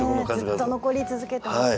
ずっと残り続けてほしい。